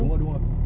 vé không đúng